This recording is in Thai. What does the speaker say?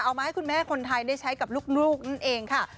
มาให้คุณแม่คนไทยได้ใช้กับลูกนั่นเองค่ะ